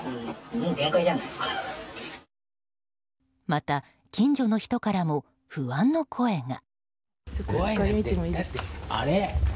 また、近所の人からも不安の声が。